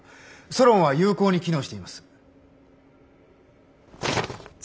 ソロンは有効に機能しています。